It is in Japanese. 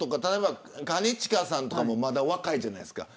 兼近さんとかもまだ若いじゃないですか。